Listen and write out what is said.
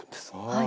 はい。